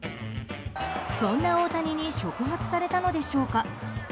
そんな大谷に触発されたのでしょうか。